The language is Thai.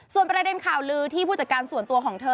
ส่วนประเด็นข่าวลือที่ผู้จัดการส่วนตัวของเธอ